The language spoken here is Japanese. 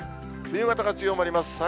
冬型が強まります。